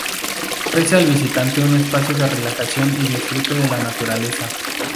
Ofrece al visitante un espacio de relajación y disfrute de la naturaleza.